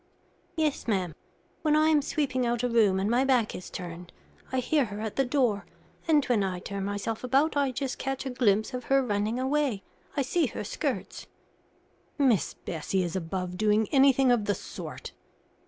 "Yes, ma'am. When I am sweeping out a room, and my back is turned, I hear her at the door; and when I turn myself about, I just catch a glimpse of her running away. I see her skirts " "Miss Bessie is above doing anything of the sort."